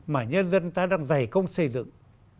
mà nhân dân ta đang dày công xây dựng